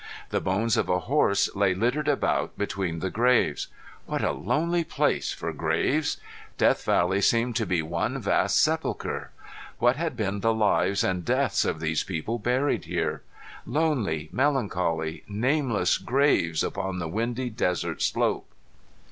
The bones of a horse lay littered about between the graves. What a lonely place for graves! Death Valley seemed to be one vast sepulchre. What had been the lives and deaths of these people buried here? Lonely, melancholy, nameless graves upon the windy desert slope!